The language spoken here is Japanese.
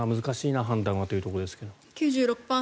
難しいな、判断はというところですが。